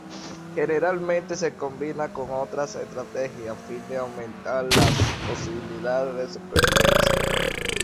Generalmente se combina con otras estrategias a fin de aumentar las posibilidades de supervivencia.